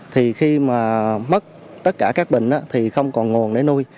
thì khi mà mất tất cả các bệnh thì không còn nguồn để nuôi